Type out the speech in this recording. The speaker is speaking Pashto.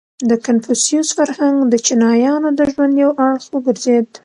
• د کنفوسیوس فرهنګ د چینایانو د ژوند یو اړخ وګرځېد.